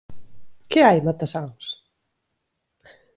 _¿Que hai, matasáns?